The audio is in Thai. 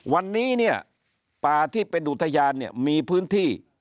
วันนี้เนี่ยป่าที่เป็นอุทยานเนี่ยมีพื้นที่